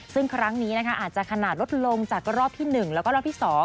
ซึ่งครั้งนี้อาจจะขนาดลดลงจากรอบที่๑แล้วก็รอบที่๒